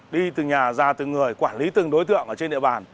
đi từ nhà ra từng người quản lý từng đối tượng ở trên địa bàn